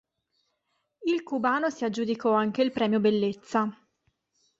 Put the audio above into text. Il cubano si aggiudicò anche il premio bellezza.